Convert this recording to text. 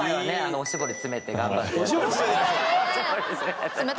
おしぼり詰めて頑張ってやってます